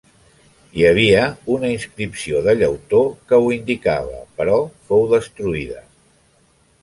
Hi havia una inscripció de llautó que ho indicava però fou destruïda.